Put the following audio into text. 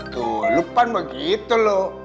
tuh lupan begitu lu